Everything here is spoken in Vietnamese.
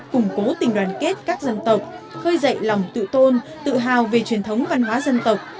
củng cố tình đoàn kết các dân tộc khơi dậy lòng tự tôn tự hào về truyền thống văn hóa dân tộc